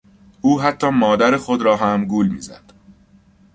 او حتی مادر خود را هم گول میزد.